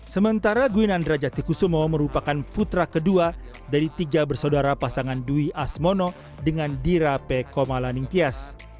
sementara gwinandra jatikusumo merupakan putra kedua dari tiga bersaudara pasangan dwi asmono dengan dira p komalaningkias